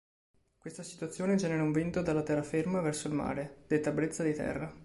Questa situazione genera un vento dalla terraferma verso il mare, detta brezza di terra.